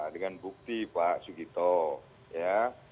dengan bukti pak sugito ya